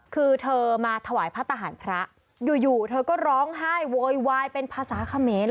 คือเธอมาถวายพระทหารพระอยู่เธอก็ร้องไห้โวยวายเป็นภาษาเขมร